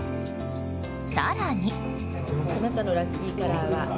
更に。